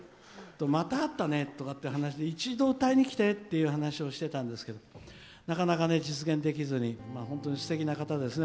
また会ったねとか話して一度、歌いに来てという話をしてたんですけどなかなか実現できずに本当にすてきな方ですね。